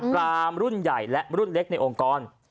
ปรามรุ่นใหญ่และรุ่นเล็กในองค์กร